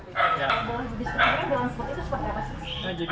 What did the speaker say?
bisa kita pandangin kan ada inovasi dengan balance board